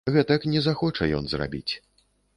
Гэтак не захоча ён зрабіць.